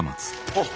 あっ！